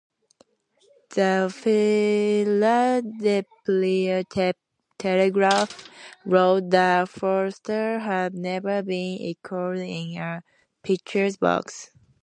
The "Philadelphia Telegraph" wrote that "Foster has never been equalled in a pitcher's box.